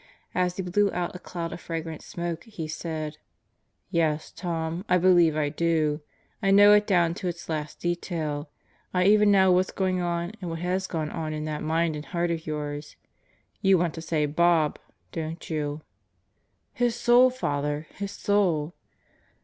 As he blew out a cloud of fragrant smoke he said, "Yes, Tom, I believe I do. I know it down to its last detail. I even know now what's going on and what has gone on in that mind and heart of yours. You want to save Bob, don't you?" "His soul, Father; his soul."